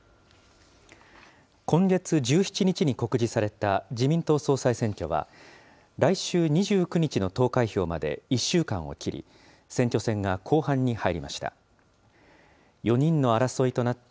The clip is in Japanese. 今月１７日に告示された自民党総裁選挙は、来週２９日の投開票まで１週間を切り、選挙戦が後半に入りました。